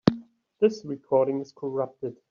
This recording is corrupted.